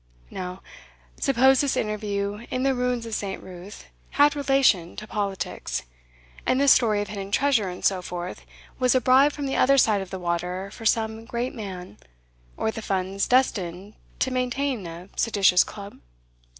Now, suppose this interview in the ruins of St. Ruth had relation to politics, and this story of hidden treasure, and so forth, was a bribe from the other side of the water for some great man, or the funds destined to maintain a seditious club?"